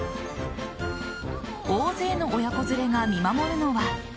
大勢の親子連れが見守るのは。